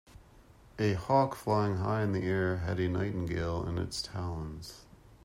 A hawk flying high in the air had a nightingale in its talons.